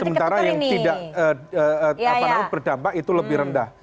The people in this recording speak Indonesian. sementara yang tidak berdampak itu lebih rendah